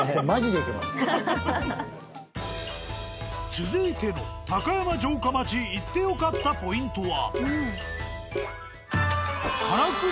続いての高山城下町行って良かったポイントは。